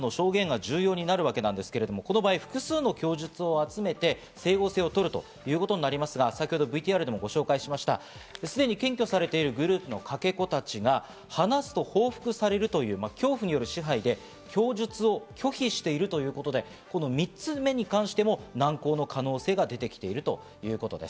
そして３つ目ですが、実行犯などの証言が重要になるわけですけど、この場合、複数の供述を集めて整合性を取るということになりますが、ＶＴＲでもご紹介しました、すでに検挙されてるグループのかけ子たちが話すと報復されるという恐怖による支配で、供述を拒否しているということで、この３つ目に関しても難航の可能性が出てきているということです。